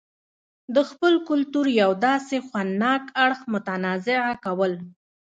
دخپل کلتور يو داسې خوند ناک اړخ متنازعه کول